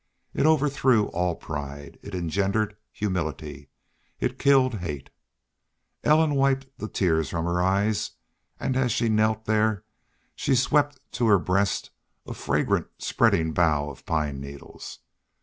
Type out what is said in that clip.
It overthrew all pride, it engendered humility, it killed hate. Ellen wiped the tears from her eyes, and as she knelt there she swept to her breast a fragrant spreading bough of pine needles.